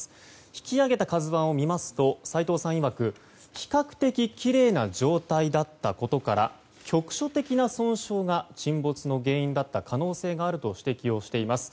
引き揚げた「ＫＡＺＵ１」を見ますと斎藤さん曰く比較的きれいな状態だったことから局所的な損傷が沈没の原因だった可能性があると指摘をしています。